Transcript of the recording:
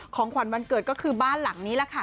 ของขวัญวันเกิดก็คือบ้านหลังนี้แหละค่ะ